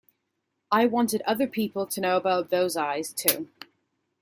I wanted other people to know about those eyes, too.